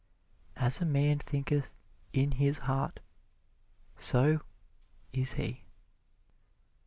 As a man thinketh in his heart, so is he.